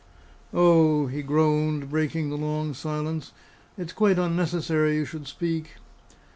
"O!" he groaned, breaking the long silence, "it's quite unnecessary you should speak!"